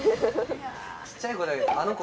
ちっちゃい声だけど「あの子」